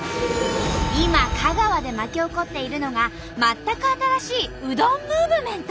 今香川で巻き起こっているのが全く新しいうどんムーブメント。